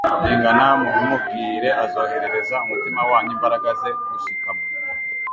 bingana mubimubwire. Azoherereza umutima wanyu imbaraga ze gushikama.